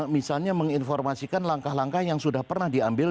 misalnya menginformasikan langkah langkah yang sudah pernah diambil